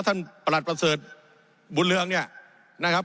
ประหลัดประเสริฐบุญเรืองเนี่ยนะครับ